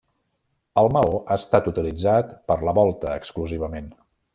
El maó ha estat utilitzat per la volta exclusivament.